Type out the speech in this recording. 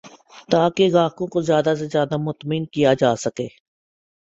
تاکہ گاہکوں کو زیادہ سے زیادہ مطمئن کیا جا سکے